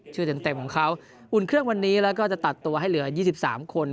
เต็มของเขาอุ่นเครื่องวันนี้แล้วก็จะตัดตัวให้เหลือ๒๓คน